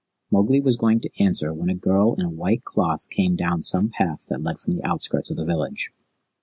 Mowgli was going to answer when a girl in a white cloth came down some path that led from the outskirts of the village.